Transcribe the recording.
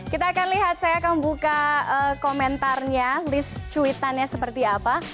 kita akan lihat saya akan buka komentarnya list cuitannya seperti apa